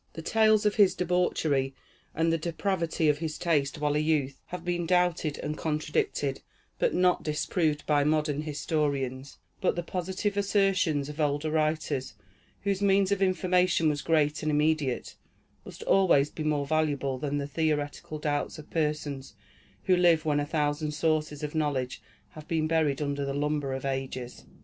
The tales of his debauchery, and the depravity of his taste, while a youth, have been doubted and contradicted, but not disproved by modern historians; but the positive assertions of older writers, whose means of information was great and immediate, must always be more valuable than the theoretical doubts of persons who live when a thousand sources of knowledge have been buried under the lumber of ages.